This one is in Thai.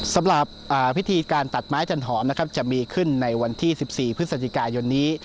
สำหรับพิธีการตัดไม้จันหอมนะครับจะมีขึ้นในวันที่๑๔พฤศจิกายนนี้